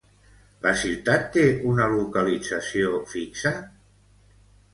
La ciutat té una localització fixa?